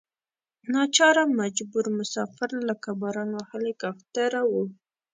ناچاره مجبور مسافر لکه باران وهلې کوترې وو.